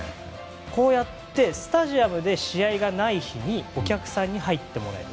こうやってスタジアムで試合がない日にお客さんに入ってもらう。